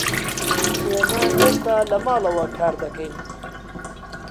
ئێمە هێشتا لە ماڵەوە کار دەکەین.